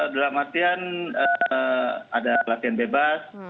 dalam artian ada latihan bebas